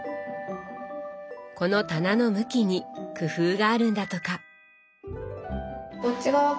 この「棚の向き」に工夫があるんだとか。